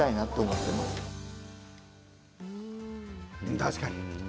確かに。